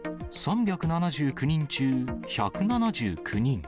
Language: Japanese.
３７９人中１７９人。